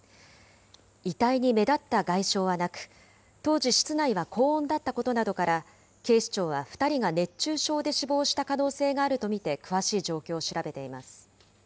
遺体に目立った外傷はなく、当時、室内は高温だったことなどから、警視庁は２人が熱中症で死亡した可能性があると見て詳しい状況を調べています。